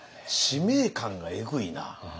使命感がえぐいな。